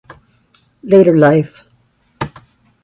Later life.